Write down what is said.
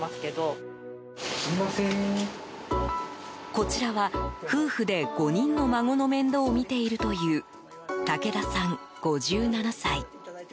こちらは、夫婦で５人の孫の面倒を見ているという武田さん、５７歳。